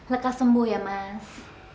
lekas sembuh ya mas